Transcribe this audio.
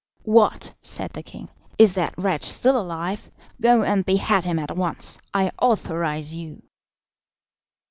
"What!" said the king; "is that wretch still alive? Go and behead him at once. I authorise you."